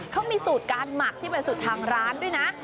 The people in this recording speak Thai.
เขามีสูตรการหมักที่เป็นสูตรทางร้านด้วยนะ